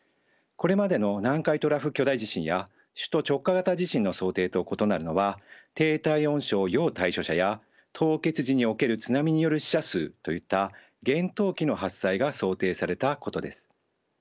これまでの南海トラフ巨大地震や首都直下型地震の想定と異なるのは低体温症要対処者や凍結時における津波による死者数といった厳冬期の発災が想定されたことです。